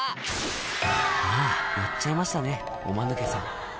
あぁいっちゃいましたねおマヌケさん